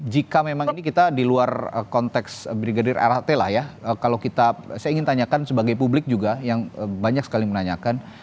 jika memang ini kita di luar konteks brigadir rht lah ya kalau kita saya ingin tanyakan sebagai publik juga yang banyak sekali menanyakan